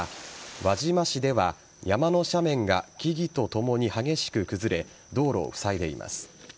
輪島市では山の斜面が木々とともに激しく崩れ道路をふさいでいます。